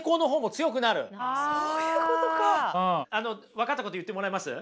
分かったこと言ってもらえます？